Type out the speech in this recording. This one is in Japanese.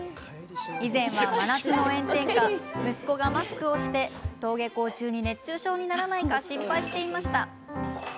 以前は、真夏の炎天下息子がマスクをして登下校中に熱中症にならないか心配していました。